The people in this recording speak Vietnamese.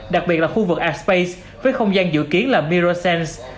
đặc biệt là khu vực art space với không gian dự kiến là mirror sense